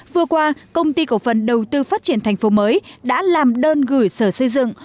vừa qua công ty cổ phần đầu tư phát triển thành phố mới đã làm đơn gửi sở xây dựng